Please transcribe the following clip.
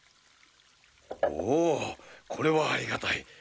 おおこれはありがたい！